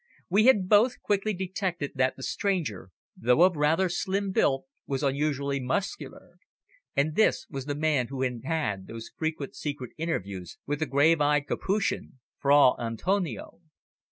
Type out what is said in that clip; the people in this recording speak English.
We had both quickly detected that the stranger, though of rather slim built, was unusually muscular. And this was the man who had had those frequent secret interviews with the grave eyed Capuchin, Fra Antonio.